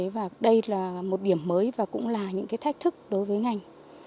và đây là một điểm mới và cũng là những cái thách thức đối với ngành